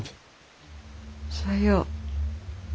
さよう。